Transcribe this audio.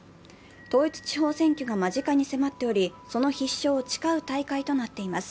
統一地方選挙が間近に迫っており、その必勝を誓う大会となっています。